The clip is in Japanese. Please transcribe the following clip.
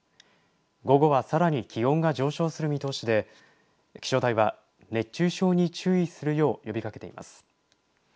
午後は、さらに気温が上昇する見通しで気象台は熱中症に注意するよう呼びかけています。